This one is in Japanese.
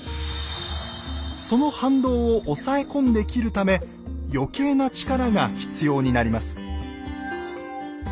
その反動を押さえ込んで斬るため余計な力が必要になります。